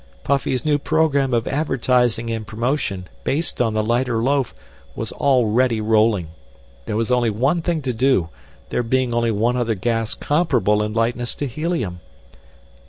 Puffy's new program of advertising and promotion, based on the lighter loaf, was already rolling. There was only one thing to do, there being only one other gas comparable in lightness to helium.